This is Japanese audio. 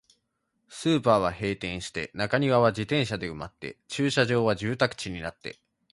スーパーは閉店して、中庭は自転車で埋まって、駐車場は住宅地になって、